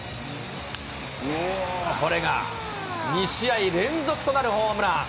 これが２試合連続となるホームラン。